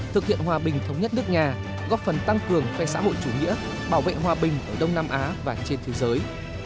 thực hiện hòa bình thống nhất nước nhà góp phần tăng cường phe xã hội chủ nghĩa bảo vệ hòa bình ở đông nam á và trên thế giới